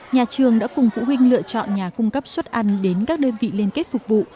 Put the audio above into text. nhà trường đã cùng phụ huynh lựa chọn nhà cung cấp suất ăn đến các đơn vị liên kết phục vụ